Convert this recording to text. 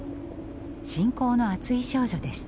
信仰のあつい少女でした。